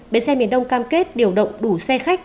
bến xe miền đông cam kết điều động đủ xe khách